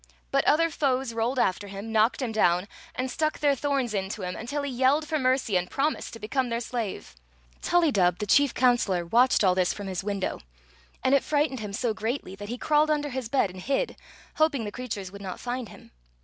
But other foes rolled after him, knocked him down, and stuck their thorns into him until he yelled for mercy and promised to become their slave. TiiUydub, the chief counselor, watched all this from his window, and it frightened him so greatly that he crawled under his bed and hid, hoping the creatures would not find him.